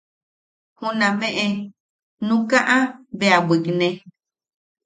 Junameʼe nukaʼa bea bwikne.